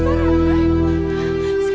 tidak akan bisa ratna